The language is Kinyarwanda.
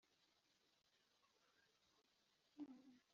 bigamije kuganira ku mateka y u Rwanda byabereye mu cyumba